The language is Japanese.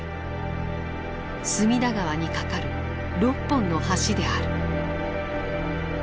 隅田川に架かる６本の橋である。